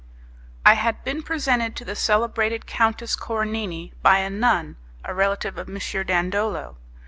I had been presented to the celebrated Countess Coronini by a nun, a relative of M. Dandolo.